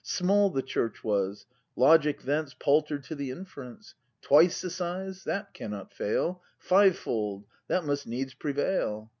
Small the Church was; logic thence Palter'd to the inference: Twice the size — that cannot fail; Fivefold, — that must needs prevail!